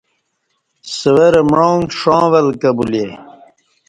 سورہ معانگ ݜاں ول کہ بولے